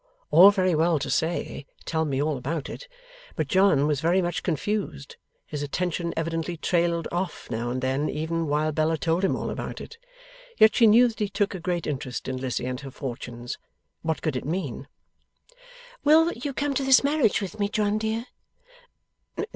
All very well to say, 'Tell me all about it;' but John was very much confused. His attention evidently trailed off, now and then, even while Bella told him all about it. Yet she knew that he took a great interest in Lizzie and her fortunes. What could it mean? 'You will come to this marriage with me, John dear?